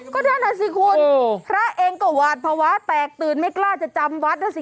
ก็นั่นน่ะสิคุณพระเองก็หวาดภาวะแตกตื่นไม่กล้าจะจำวัดนะสิ